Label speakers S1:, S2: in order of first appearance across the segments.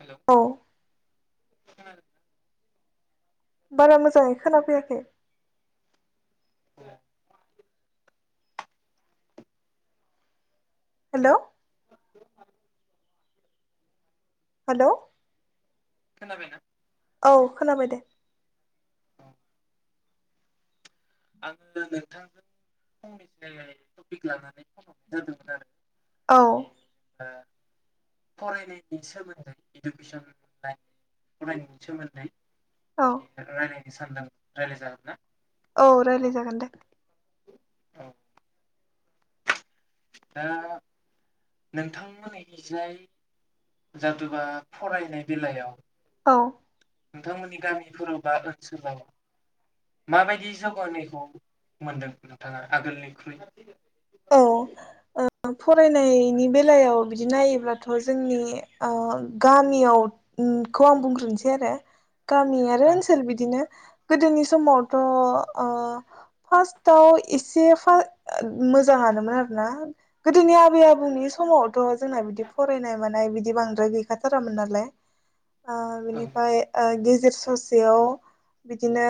S1: हेऔ
S2: औ
S1: खोनादोंना?
S2: बारा मोजाङै खोना फैयाखै।
S1: औ
S2: हेलौ
S1: खोनाबाय
S2: हालौ।
S1: खोना बायना?
S2: औ खोनाबाय दे।
S1: औ आङो नोंथांजों फंनैसो [unintelligible] टपिक लानानै फनहरनाय जादोंमोन आरो।
S2: औ।
S1: ए जेनेबा फरायनायनि सोमोन्दै इडुकेसन लाइ फरायनायनि सोमोन्दै?
S2: औ
S1: बि राइलायनो सानदों रायलाय जोगोन्ना?
S2: औ राय्लाय जागोन दे।
S1: औ दा नोंथांमोननि इजाय जादोबा फरायनाय बेलायाव
S2: औ।
S1: नोंथांमोननि गामिफोराव बा ओनसोलाव माबायदि जौगानायखौ मोनदों नोंथाङा आगोलनिख्रुइ?
S2: ओ फरायनायनि बेलायाव बिदि नायोब्लाथ' जोंनि ओ गामियाव ओ खौ आं बुंख्रोनसै आरो। गामि आरो
S1: औ
S2: ओनसोल बिदिनो‌। गोदोनि समावथ' ओ‌ फार्स्टआव एसे - मोजाङानो मोन आरोना गोदोनि आबै आबौनि समाव थ जोंना बिदि फरायनाय मानाय बिदि बिदि बांद्राय गैखाथारामोन नालाय। ओ
S1: औ
S2: बिनिफ्राय‌ ओ [unintelligible] गेजेर ससेयाव बिदिनो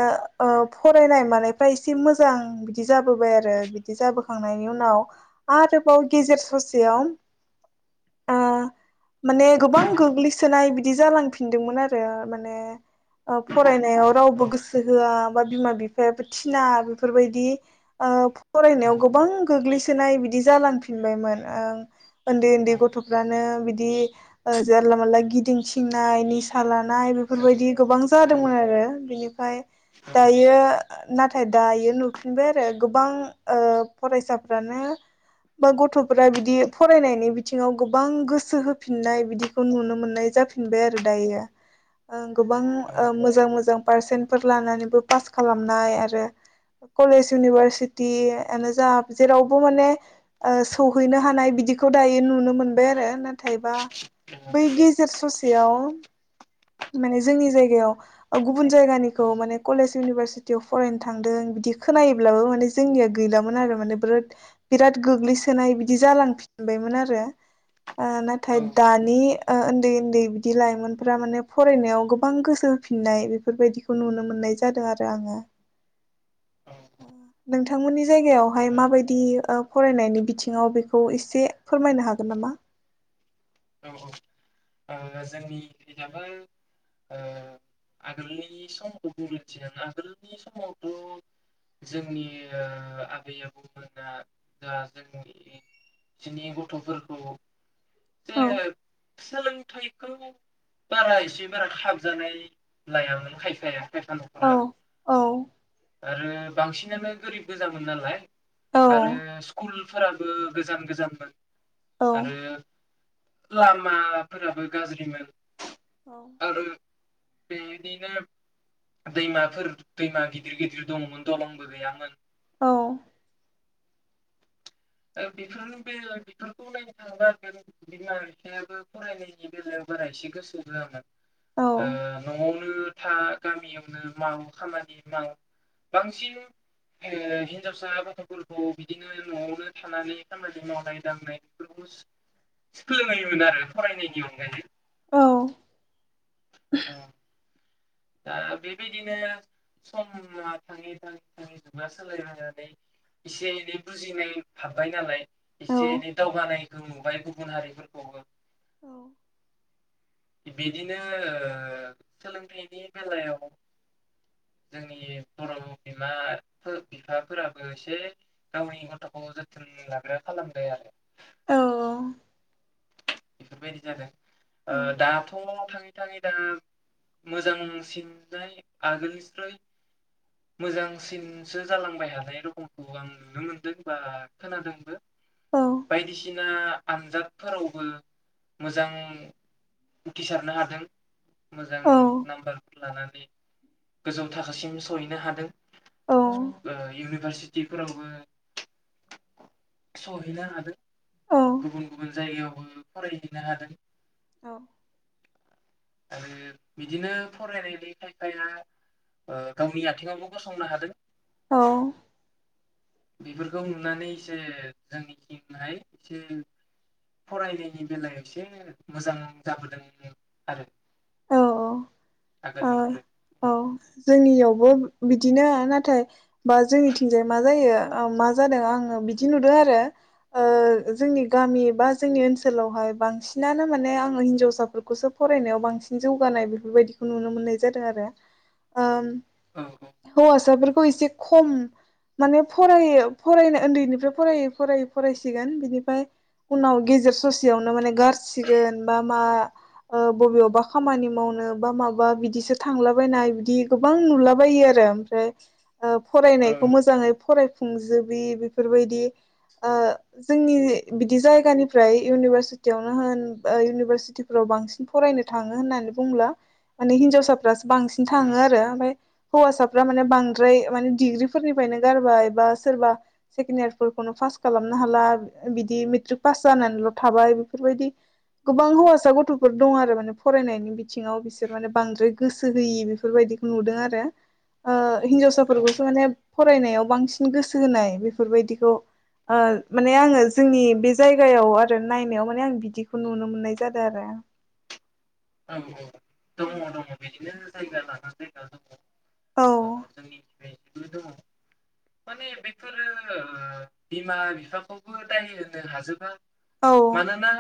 S2: फरायनाय मानायफ्रा एसे मोजां बिदि जाबोबाय आरो बिदि जाबोखांनायनि उनाव आरोबाव गेजेर ससेयाव माने गोबां गोग्लैसोनाय बिदि जालांफिनदोंमोन आरो माने फरायनायाव रावबो गोसो होआ बा बिमा बिफायाबो थिना बेफोरबायदि
S1: औ
S2: फरायनायाव गोबां गोग्लैसोदोंमोन। सोनाय बिदि जालांफिनबायमोन आं उन्दै उन्दै
S1: औ
S2: गथ‌' फ्रानो बिदि बिदि जानला मानला गिदिं थंनाय निसा लानाय। थानाय
S1: औ
S2: बेफोरबायदि गोबां जादोंमोन आरो बिनिफ्राय दायो। नाथाय दायो नुफिनबाय आरो गोबां फरायसा फरायसाफ्रानो गथ'फ्रानो बा गथ'फोरा बिदि फरायनायनि बिथिङाव गोबां गोसो होफिननाय बिदिखौ नुनो मोननाय जाफिनबाय आरो दायो। गोबां मोजां मोजां पारसेन्टफोर लानानैबो पास खालामनाय आरो कलेज इउनिभारसिटिआनो जा जेरावबो माने सौहैनो हानाय बिदिखौ दायो नुनो मोनबाय आरो नाथायबा बै गेजेर ससे बेयाव जोंनि जायगायाव गुबुन जायगानि खौ माने कलेज उनिबासिथि फरेन थांदों बिदि खोनायोब्लाबो माने जोंनि गैलामोन आरो माने बिराद गोग्लैसोनाय बिदि जालांफिनबायमोन आरो। ओ नाथाय दानि उन्दै उन्दै बिदि लाइमोनफोरा माने फरायनायाव गोबां गोसो होफिननाय बेफोरबायदिखौ नुनो मोननाय जादों आरो। आङो नोंथांमोननि जायगायावहाय मा फरायनायनि बिथिङाव बेखौ एसे फोरमायनो हागोन नामा?
S1: औ औ जोंनि माबा आगोलनि समखौ बुं थांङोल्बा आगोलनि समावथ' जोंनि आबै आबौमोना दा जोंनि बिसनि गथ'फोरखौ
S2: औ
S1: जे सोलोंथाइखौ बारा एसे बारा खाबजानाय लायामोन खायफाया खाइफा न'खरा
S2: औ औ
S1: आरो बांसिनानो गोरिब गोजामोन नालाय
S2: औ
S1: आरो स्कुलफोराबो गोजान गोजानमोन।
S2: औ
S1: आरो लामाफोराबो गाज्रिमोन। आरो बेदिनो दैमाफोर दैमा गिदिर गिदिर दंमोन दं आंबो गैयामोन।
S2: औ।
S1: बेफोर बेफोरखौ नायनो थाङोबा होन बिमा बिफायाबो फरायनायनि बेलायाव बारा एसे गोसो होआमोन।
S2: औ
S1: ओ नआवनो था गामियावनो माव खामानि माव बांसिन हिनजावसा गथ'फोरखौ बिदिनो नआवनो थानानै खामानि मावनाय दांनाय बेफोरखौ सोलोङोमोन आरो फरायनायनि अनगायै। औ। दा बेबायदिनो समा थाङै थाङै थाङै जुगा सोलायलनानै एसे एनै बुजिनाय हाब्बाय नालाय
S2: औ
S1: एसे एनै दावगानायखौ नुबाय गुबुन हारिफोरखौबो
S2: औ।
S1: बिदिनो सोलोंथाइनि बेलायाव जोंनि बर' बिमा बिफाफोराबो एसे गावनि गथखौ जोथोन लाग्रा खालामबाय आरो।
S2: औ औ
S1: बेफोरबायदि जादों ओ दाथ' थाङै थाङै दा मोजां नाय आगोलनिस्राय मोजांसिनसो जालांबाय हानाय रखमखौ आं नुनो मोनदों बा खोनादोंबो।
S2: औ
S1: बायदिसिना आनजादफोरावबो मोजां उथ्रिसारनो हादों। मोजां नाम्बार लानानै गोजौ थाखोसिम सहैनो हादों इउनिभारसिटि बिफोरावबो सहैनो हादों।
S2: औ
S1: गुबुन गुबुन जायगायाव फरायहैनो हादों।
S2: औ।
S1: आरो बिदिनो फरायनायनि खायफाया ओ गावनि आथिङावबो गसंनो हादों।
S2: औ।
S1: बेफोरखौ नुनानै एसे जोंनिथिंहाय एसे फरायनायनि बेलायाव एसे मोजां जाबोदों आरो।
S2: ओ
S1: आगोलनिख्रुइ
S2: औ जोंनियाव बो बिदिनो नाथाय बा जोंनिथिंजाय मा जायो मा जादों आङो बिदि नुदों आरो ओ जोंनि गामि बा जोंनि ओनसोलावहाय बांसिनानो माने आङो हिनजावसाफोरखौसो फरायनायाव बांसिन जौगानाय बेफोरबायदिखौ नुनो मोननाय जादों आरो ओ
S1: औ
S2: हौवासाफोर खौ एसे खम माने फरायो फरायनो उन्दैनिफ्राय फरायै फरायै फरायसिगोन बिनिफ्राय उनाव गेजेर ससेयावनो माने गारसिगोन बा मा ओ बबेयावबा खामानि मावनो बा माबा बिदिसो थांलाबायनाय बिदि गोबां नुलाबायो आरो ओमफ्राय ओ
S1: औ
S2: फरायनायखौ मोजाङै फराय फुंजोबि बेफोरबायदि ओ जोंनि बिदि जायगानिफ्राय इउनिभारसिटियावनो होन इउनिभारसिटिफोराव बांसिन फरायनो थाङो होननानै बुंला माने हिनजावसाफ्रो बांसिन थाङो आरो ओमफ्राय हौवासाफ्रा माने बांद्राय माने डिग्रि फोरनिफ्रायनो गारबाय बा सोरबा सेकेण्ड इयारफोरखौनो फास खालामनो हाला बिदि मेट्रिक पास जानानैल थाबाय बेफोरबायदि गोबां हौवासा गथफोर दं आरो माने। फरायनायनि बिथिङाव बिसोर माने बांद्राय गोसो होयि बेफोरबायदिखौ नुदों आरो ओ
S1: औ
S2: हिन्जावसाफोरखौसो माने फरायनायाव बांसिन गोसो होनाय बेफोरबायदिखौ ओ माने आङो जोंनि बे जायगायाव आरो नायनायाव माने आं बिदिखौ नुनो मोननाय जादों आरो।
S1: औ औ। दङ दङ बिदिनो जायगा लानानै जायगा दङ।
S2: औ
S1: ओ जोंनिखैजाय बिदिबो दङ माने बेफोरो ओ बिमा बिफाखौबो दाय होनो हाजोबा।
S2: औ
S1: मानोना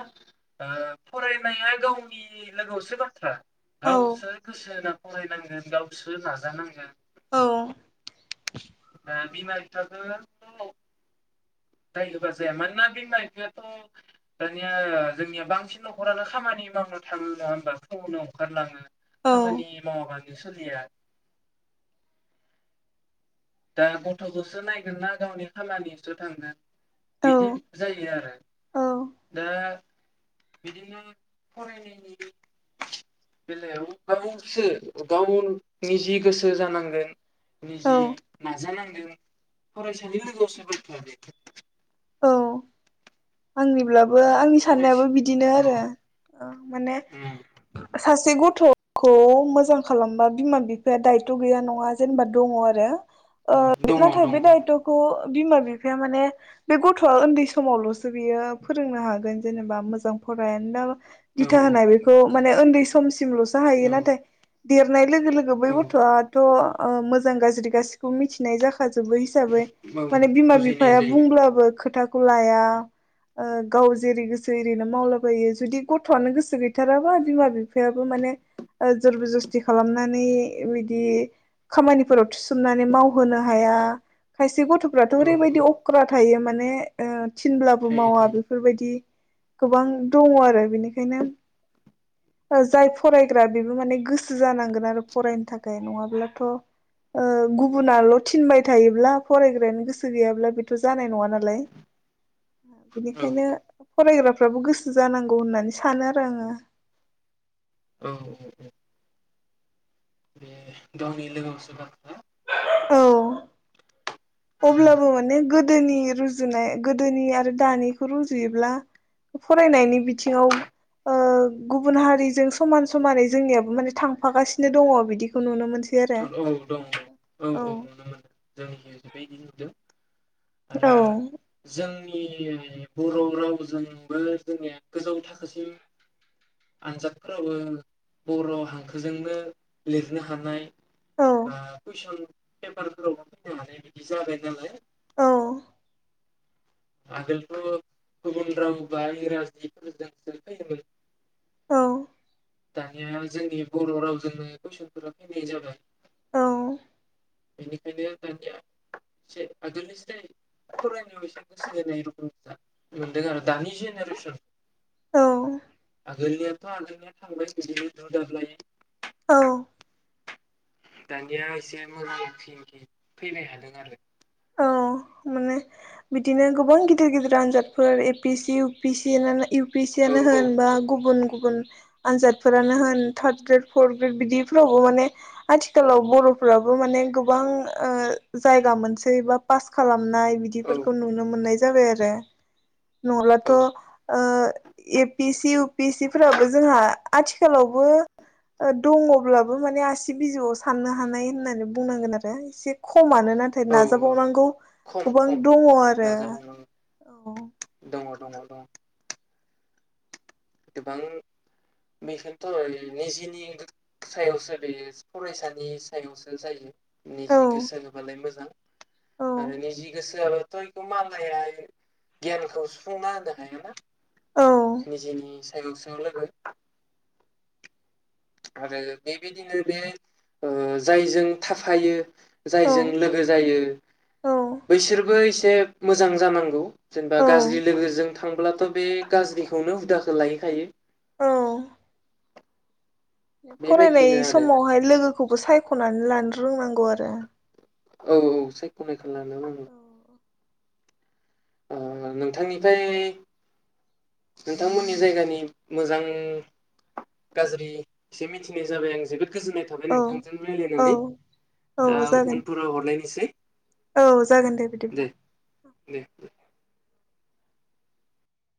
S1: ओ फरायनाया गावनि लोगोआवसो बाथ्रा
S2: औ
S1: गावसोर गोसो होना फरायनांगोन गावसो नाजानांगोन।
S2: औ।
S1: ओ बिमा बि बिफाखौ उनाव दाय होबा जाया मानोना बिमा बिफायाथ दानिया जोंनिया बांसिन नखरानो खामानि मावनो थाङो नङा होमबा फुंआवनो ओंखारलाङो
S2: औ
S1: खामानि मावाबानो सोलिया। दा गथखौसो नायगोन ना गावनि खामानियावसो थांगोन। बिदि
S2: औ
S1: जायो आरो
S2: औ
S1: दा बिदिनो फरायनायनि बे बेलायाव गावसो गाव निजि गोसो जानांगोन।
S2: औ
S1: निजि जानांदों फरायसानि लोगोआव सोर बायदिया बेखौ
S2: औ। आंनिब्लाबो आंनि साननायाबो
S1: फरायसा
S2: बिदिनो आरो
S1: औ
S2: औ माने
S1: उम,
S2: सासे गथखौ मोजां खालामबा बिमा बिफाया दायथ गैया नङा जेनेबा दङ आरो। ओ
S1: औ दङ
S2: नाथाय
S1: दङ
S2: बे दायतखौ बिमा बिफाया माने बे गथआ उन्दै समावलसो बियो फोरोंनो हागोन जेनेबा मोजां फरायानोना
S1: औ
S2: दिथा होनाय बेखौ माने ओन्दै सम सिमलसो हायो
S1: औ
S2: नाथाय देरनाय लोगो लोगो बै
S1: औ
S2: गथआथ ओ मोजां गाज्रि गासिखौबो मिथिनाय जा खाजोबो हिसाबै
S1: औ
S2: माने बिमा
S1: बुजिनाय
S2: बिफाया
S1: जायो
S2: बुंब्ला बो खोथाखौ लाया ओ गाव जेरै गोसो एरैनो मावलाबायो जुदि गथआनो गोसो गैथाराबा बिमा बिफायाबो माने ओ जरब जस्ति खालामनानै बिदि खामानिफोराव थुसोमनानै मावहोनो हाया खाय से गथफ्राथ
S1: औ औ
S2: ओरैबायदि अक्रा। थायो माने ओ थिनब्लाबो
S1: थायो
S2: मावा
S1: थायो
S2: बेफोर बायदि गोबां दङ आरो बेनिखायनो ओ जाय फरायग्रा बेबो माने गोसो जानांगोन आरो फरायनो थाखाय नङाब्लाथ ओ गुबुनाल थिनबाय थायोब्ला फरायग्रायानो गोसो गैयाब्ला बि थ जानाय नङा नालाय।
S1: औ
S2: बेनिखायनो फरायग्रा फ्राबो गोसो जानांगौ होननानै सानो आरो आङो।
S1: औ औ औ। बे गावनि लोगो [unintelligible]
S2: औ अब्लाबो माने गो दोनि रुजुनाय गोदोनि आरो दानिखौ रुजुयोब्ला फरायनायनि बिथिङाव ओ गुबुन हारिजों समान समानै जोंनियाबो माने थांफागासिनो दङ बिदिखौ नुनो मोन
S1: औ दं औ औ नुनो मोनो जों बिदि नुदों। आरो
S2: औ
S1: जों जोंनि बर' रावजोंबो जोंनि गोजौ थाखोसिम आनजादफोरावबो बर' हांखोजोंनो लिरनो हानाय
S2: औ
S1: बा कुइसन। पेपारफोरावबो माने इदि जाबाय नालाय।
S2: औ।
S1: आगोलथ' गुबुन राव बा इंराजिफोरजोंसो फैयोमोन।
S2: औ।
S1: दानिया जोंनि बर' रावजोंनो कुइसनफोरा फैनाय जाबाय।
S2: औ।
S1: बेनिखायनो दानिया एसे आगोलनिसाय फरायनायाव एसे एनै [unintelligible] मोनदों आरो दानि जेनेरेसन
S2: औ।
S1: आगोलनियाथ' आगोलनिया थांबाय बिदिनो दु दाबलायै।
S2: औ।
S1: दानिया एसे मोजां थिंकि फैबाय थादों आरो
S2: औ माने बिदिनो गोबां गिदिर गिदिर आनजादफोर A P C U P C U
S1: औ
S2: पिसियानो होन बा गुबुन गुबुन आनजादफोरानो होन थार्द ग्रेड फर्थ ग्रेड बिदिफ्रावबो माने आथिखालाव बरफ्राबो माने गोबां ओ जायगा मोनसै। एबा पास खालाम नाय
S1: औ
S2: बिदिफोरखौ नुनो मोननाय जाबाय आरो। नङब्लाथ'
S1: औ
S2: ओ A P C U P C फोराबो जोंहा आथिखालावबो दङब्लाबो माने आसि बिजौआव साननो हानाय होननानै बुंनांगोन आरो एसे खमानो। नाथाय
S1: औ
S2: नाजाबावनांगौ
S1: खम
S2: गोबां
S1: खम
S2: दङ आरो
S1: नाजाबावनांगौ
S2: औ।
S1: दङ दङ दङ। गोबां बेखोथ' निजिनि सायावसो बे फरायसानि सायावसो जायो।
S2: औ
S1: निजि गोसो होबालाय मोजां
S2: औ
S1: आरो निजि गोसोआ थ इखौ मालाया गियानखौ सुफुंना होनो हायाना निजेनि सायावसो लोगो। आरो बेबायदिनो बे ओ जायजों थाफायो
S2: औ
S1: जायजों लोगो जायो
S2: औ
S1: बैसोरबो एसे मोजां जानांगौ। जेनबा
S2: औ
S1: गाज्रि लोगोजों थांब्लाथ' बे गाज्रिखौनो हुदाखो लाहैखायो।
S2: औ फरायनाय समावहाय लोगोखौबो सायखनानै लानो रोंनांगौ आरो।
S1: औ औ सायखनाय लानो नांगौ अ नोंथांनिफ्राय नोंथांमोननि जायगानि मोजां गाज्रि एसे मिथिनाय जाबाय आं जोबोद गोजोननाय थाबाय
S2: औ
S1: नोंथांजों
S2: औ
S1: रायज्लायनानै दा
S2: औ जागोन
S1: उनफोराव हरलायनोसै
S2: औ जागोन बिदिब्ला
S1: दे दे